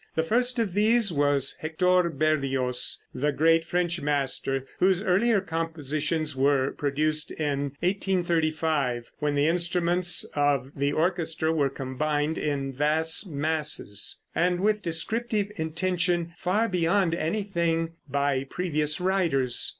The first of these was Hector Berlioz, the great French master, whose earlier compositions were produced in 1835, when the instruments of the orchestra were combined in vast masses, and with descriptive intention, far beyond anything by previous writers.